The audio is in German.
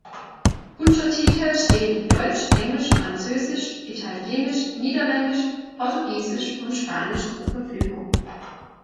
Untertitel stehen in Deutsch, Englisch, Französisch, Italienisch, Niederländisch, Portugiesisch und Spanisch zur Verfügung.